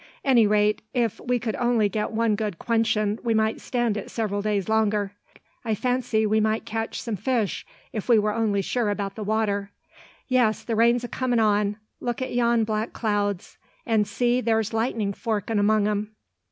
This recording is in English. Any rate, if we could only get one good quenchin', we might stand it several days longer. I fancy we might catch some fish, if we were only sure about the water. Yes, the rain's a comin' on. Look at yon black clouds; and see, there's lightning forkin' among 'em.